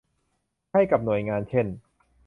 ให้กับหน่วยงานเช่น